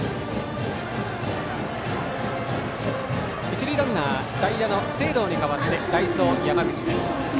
一塁ランナー代打の清藤に代わって代走・山口です。